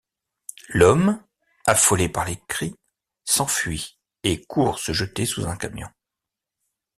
L’homme, affolé par les cris, s’enfuit et court se jeter sous un camion.